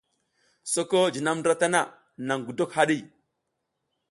Soko jinam ndra tana naƞ gudok haɗi.